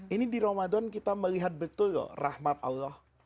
ini di ramadan kita melihat betul loh rahmat allah